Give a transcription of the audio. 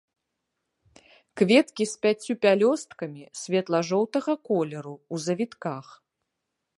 Кветкі з пяццю пялёсткамі, светла-жоўтага колеру, у завітках.